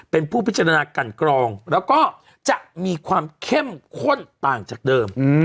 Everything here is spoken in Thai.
เป็นผู้พิจารณากันกรองแล้วก็จะมีความเข้มข้นต่างจากเดิม